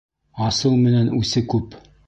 Асыу менән үсе күп